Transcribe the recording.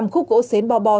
hai mươi năm khúc gỗ xến bo bo